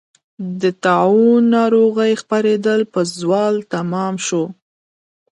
د طاعون ناروغۍ خپرېدل په زوال تمام شو.